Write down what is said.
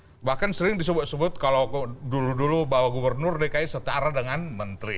karena bahkan sering disebut sebut kalau dulu dulu bahwa gubernur dki setara dengan menteri